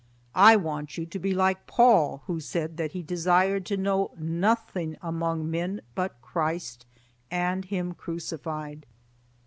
I want you to be like Paul, who said that he desired to know nothing among men but Christ and Him crucified."